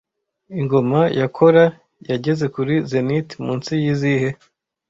Ingoma ya Chola yageze kuri zenit munsi yizihe